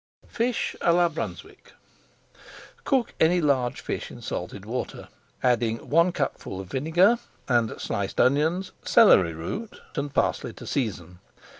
FISH À LA BRUNSWICK Cook any large fish in salted water, adding one cupful of vinegar, and sliced onions, celery root, and parsley to season.